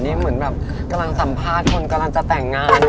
นี่เหมือนแบบกำลังสัมภาษณ์คนกำลังจะแต่งงาน